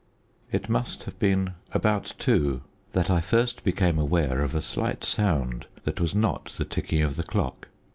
It must have been about two that I first became aware of a slight sound that was not the ticking of the clock.